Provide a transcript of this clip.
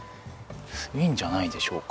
いいんじゃないでしょうか。